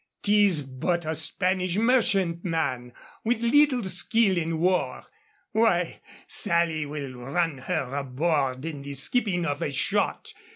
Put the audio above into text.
'Tis but a Spanish merchantman, with little skill in war. Why, Sally will run her aboard in the skipping of a shot.